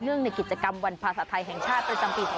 ในกิจกรรมวันภาษาไทยแห่งชาติประจำปี๒๕๖